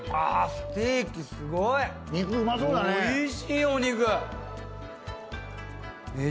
おいしいお肉。